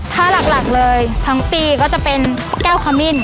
ถ้าหลักเลยทั้งปีก็จะเป็นแก้วขมิ้น